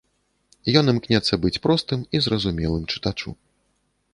Ён імкнецца быць простым і зразумелым чытачу.